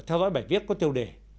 theo dõi bài viết có tiêu đề